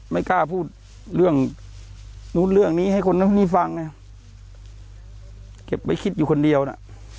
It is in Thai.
ไม่กล้าพูดเรื่องนู้นเรื่องนี้ให้คนนู้นคนนี้ฟังไงเก็บไว้คิดอยู่คนเดียวน่ะ